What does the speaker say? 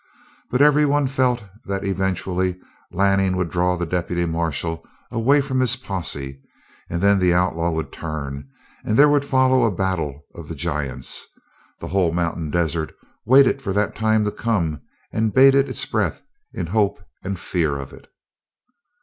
But everyone felt that eventually Lanning would draw the deputy marshal away from his posse, and then the outlaw would turn, and there would follow a battle of the giants. The whole mountain desert waited for that time to come and bated its breath in hope and fear of it.